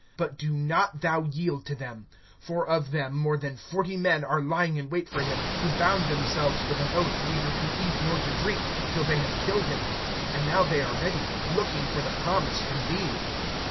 (21)But do not thou yield to them; for of them more than forty men are lying in wait for him, who bound themselves with an oath, neither to eat nor to drink till they have killed him; and now they are ready, looking for the promise from thee.